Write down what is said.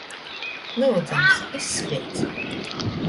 Lyudzams, izsliedz!